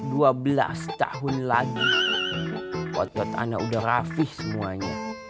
dua belas tahun lagi otot ana udah rafih semuanya